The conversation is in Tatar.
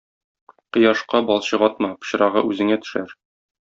Кояшка балчык атма, пычрагы үзеңә төшәр.